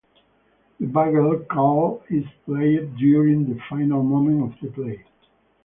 The bugle call is played during the final moments of the play.